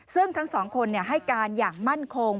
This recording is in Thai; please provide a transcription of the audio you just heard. ซึ่งทั้งสองคนให้การอย่างมั่นคง